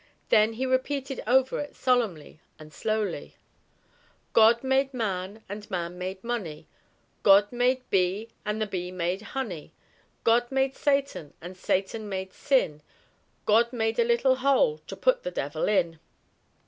Then he repeated over it solemnly and slowly: "God made man and man made money; God made the bee and the bee made honey; God made Satan and Satan made sin; God made a little hole to put the devil in."